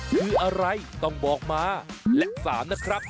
คืออะไรต้องบอกมา